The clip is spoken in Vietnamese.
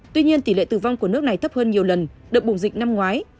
tuy nhiên tỷ lệ tử vong của nước này thấp hơn nhiều lần đợt bùng dịch năm ngoái